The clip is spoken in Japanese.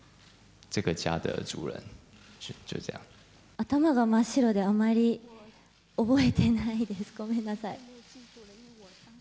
頭が真っ白で、あまり覚えてないです、ごめんなさい。